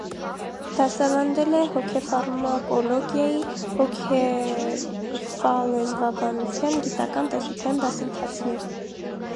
Դասավանդել է հոգեֆարմակոլոգիայի, հոգեֆալեզվաբանության, գիտական տեսության դասընթացներ։